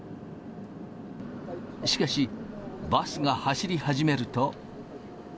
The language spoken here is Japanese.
しかし、バスが走り始めると。